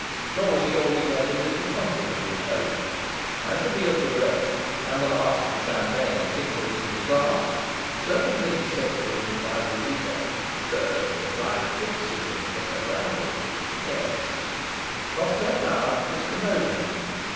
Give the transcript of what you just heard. Nor was he altogether disappointed of this hope. As the meal progressed, and the last of the champagne sparkled in his glass, certain things said to him by Zuleika certain implied criticisms that had rankled, yes lost their power to discommode him.